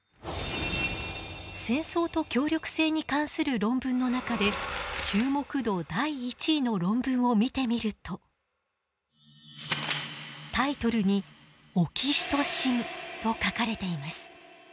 戦争と協力性に関する論文の中で注目度第１位の論文を見てみるとタイトルに「オキシトシン」と書かれています。